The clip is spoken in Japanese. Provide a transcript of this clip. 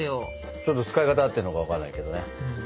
ちょっと使い方合ってるのか分かんないけどね。